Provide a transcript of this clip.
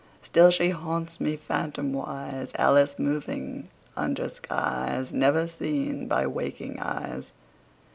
Still she haunts me, phantomwise, Alice moving under skies Never seen by waking eyes.